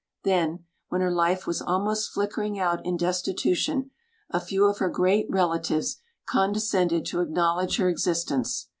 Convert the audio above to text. Then, when her life was almost flickering out in destitution, a few of her great relatives condescended to acknowledge her existence.